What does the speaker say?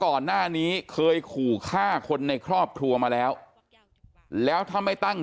ก่อนหน้านี้เคยขู่ฆ่าคนในครอบครัวมาแล้วแล้วถ้าไม่ตั้ง